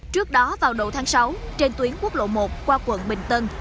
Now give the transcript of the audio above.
trước đó vào đầu tháng sáu trên tuyến quốc lộ một qua quận bình tân